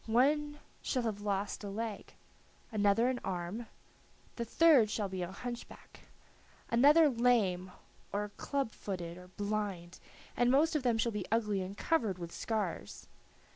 One shall have lost a leg, another an arm, the third shall be a hunchback, another lame or club footed or blind, and most of them shall be ugly and covered with scars.